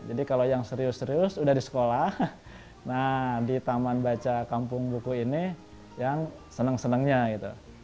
jadi kalau yang serius serius udah di sekolah nah di taman baca kampung buku ini yang senang senangnya gitu